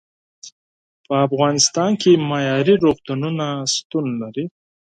په افغانستان کې معیارې روغتونونه شتون لري.